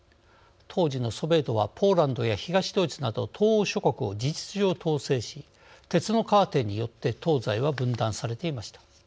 当時のソビエトはポーランドや東ドイツなど東欧諸国を事実上統制し鉄のカーテンによって東西は分断されていました。